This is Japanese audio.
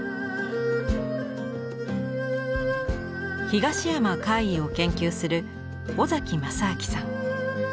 東山魁夷を研究する尾正明さん。